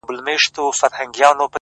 دا شاعر خپل نه کوي دا شاعر پردی نه کوي”